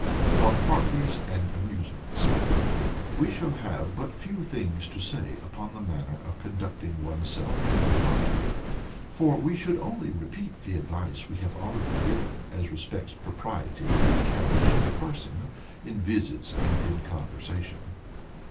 Of Parties and Amusements. We shall have but few things to say upon the manner of conducting one's self in a party, for we should only repeat the advice we have already given as respects propriety in the carriage of the person, in visits, and in conversation.